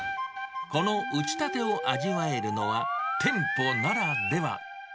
この打ちたてを味わえるのは、店舗ならでは。